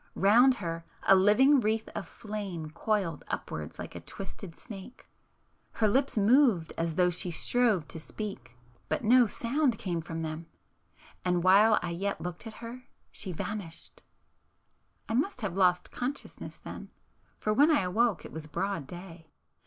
Round her a living wreath of flame coiled upwards like a twisted snake, ... her lips moved as though she strove to speak, but no sound came from them,——and while I yet looked at her, she vanished! I must have lost consciousness then,—for when I awoke it was broad day.